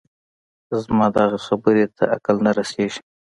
زما دغه خبرې ته عقل نه رسېږي